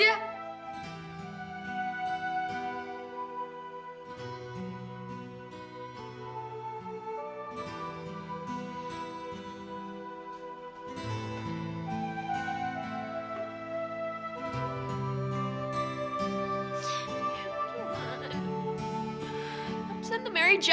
aku juga meriah banget